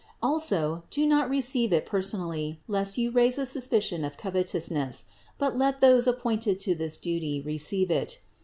Also do not receive it personally, lest you raise a suspicion of covetousness, but let those appointed for this duty receive it.